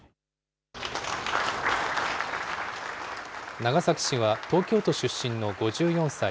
長崎氏は東京都出身の５４歳。